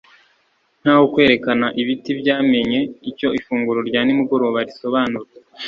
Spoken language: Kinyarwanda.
Nkaho kwerekana ibiti byamenye icyo ifunguro rya nimugoroba risobanura